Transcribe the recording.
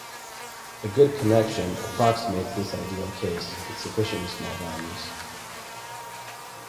A good connection approximates this ideal case with sufficiently small values.